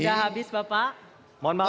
sudah habis bapak